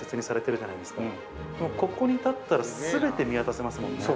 ここに立ったら全て見渡せますもんね。